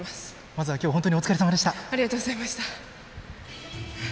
まずは、きょう、本当にお疲れさまでした。